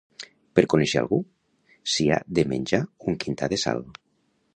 Per conèixer algú, s'hi ha de menjar un quintar de sal.